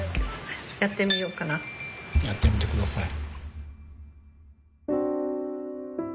やってみて下さい。